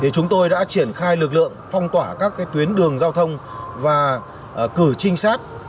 chúng tôi đã triển khai lực lượng phong tỏa các tuyến đường giao thông và cử trinh sát